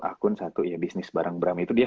akun satu ya bisnis barang bram itu dia